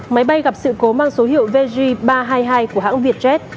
máy bay gặp sự cố mang số hiệu vg ba trăm hai mươi hai của hãng việt jet